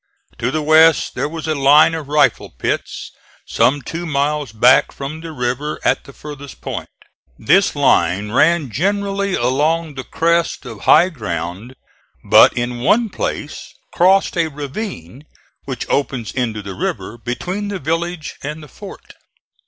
To the west there was a line of rifle pits some two miles back from the river at the farthest point. This line ran generally along the crest of high ground, but in one place crossed a ravine which opens into the river between the village and the fort.